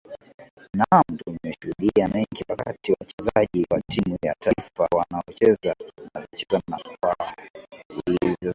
naam tumeshudia mengi wakati wachezaji wa timu ya taifa wanavyocheza ka ulivyosema